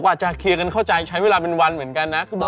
อาจจะเคลียร์กันเข้าใจใช้เวลาเป็นวันเหมือนกันนะ